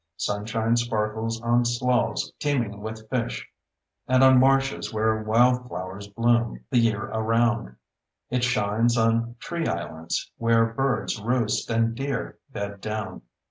Sunshine sparkles on sloughs teeming with fish, and on marshes where wildflowers bloom the year around; it shines on tree islands where birds roost and deer bed down.